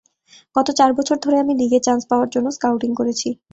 গত চার বছর ধরে, আমি লীগে চান্স পাওয়ার জন্য স্কাউটিং করেছি।